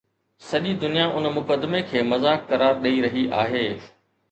سڄي دنيا ان مقدمي کي مذاق قرار ڏئي رهي آهي.